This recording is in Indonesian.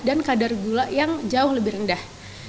dan kadar gula yang jauh lebih rendah